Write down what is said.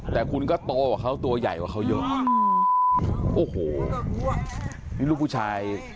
แต่คุณก็โตกว่าเขาตัวใหญ่กว่าเขาเยอะโอ้โหนี่ลูกผู้ชาย